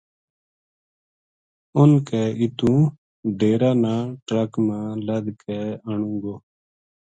آن کے اِتوں ڈیرا نا ٹرک ما لد کے آنوں گو